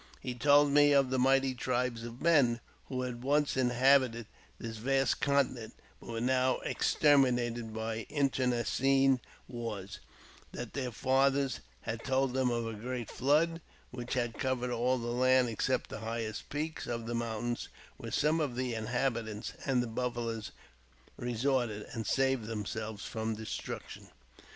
He told me of the mighty tribes of men who had once in habited this vast continent, but were now exterminated byj| internecine wars ; that their fathers had told them of a great, flood, which had covered all the land, except the highest peaks J of the mountains, where some of the inhabitants and the^ buffaloes resorted, and saved themselves from destruction.